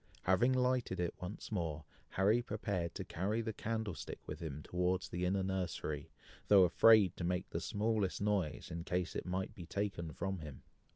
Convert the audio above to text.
Having lighted it once more, Harry prepared to carry the candlestick with him towards the inner nursery, though afraid to make the smallest noise, in case it might be taken from him.